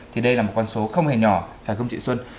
thì đây là một con số không hề nhỏ phải không chị xuân